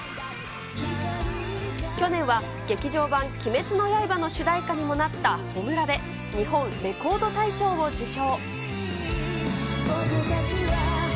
去年は、劇場版鬼滅の刃の主題歌にもなった炎で、日本レコード大賞を受賞。